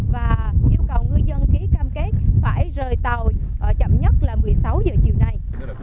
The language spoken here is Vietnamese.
và yêu cầu ngư dân ký cam kết phải rời tàu chậm nhất là một mươi sáu giờ chiều nay